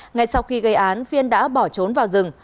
ngay sau khi gây án phiên đã bỏ trốn vào rừng